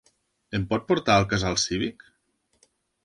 Em pot portar al casal cívic?